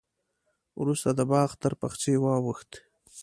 وروسته د باغ تر پخڅې واوښت.